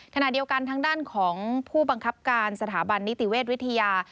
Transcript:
ขณะเดียวกันทางด้านของผู้บังคับการสถาบันนิติเวชวิทยา